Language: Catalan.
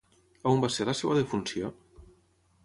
On va ser la seva defunció?